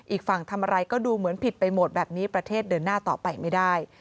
อีกฝั่งทำอะไรก็ดูเหมือนผิดไปหมดแบบนี้ประเทศเดินหน้าต่อไปไม่ได้